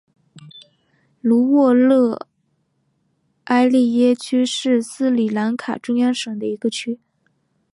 努沃勒埃利耶区是斯里兰卡中央省的一个区。